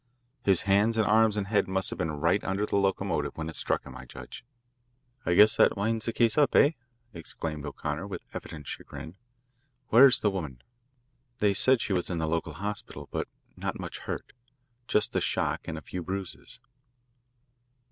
His hands and arms and head must have been right under the locomotive when it struck him, I judge." "I guess that winds the case up, eh?" exclaimed O'Connor with evident chagrin. "Where's the woman?" "They said she was in the little local hospital, but not much hurt. Just the shock and a few bruises."